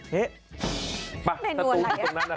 กำขวาเทะเทะ